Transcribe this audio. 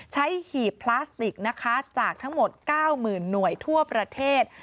หีบพลาสติกนะคะจากทั้งหมด๙๐๐หน่วยทั่วประเทศ